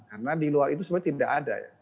karena di luar itu sebenarnya tidak ada ya